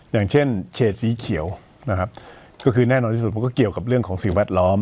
อย่างเช่นเฉดสีเขียวนะครับก็คือแน่นอนที่สุดมันก็เกี่ยวกับเรื่องของสิ่งแวดล้อม